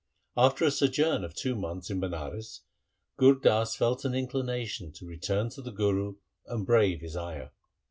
After a sojourn of two months in Banaras Gur Das felt an inclination to return to the Guru and brave his ire.